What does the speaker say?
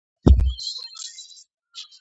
გამოაშკარავდა სიუჟეტის ძირითადი მომენტებიც.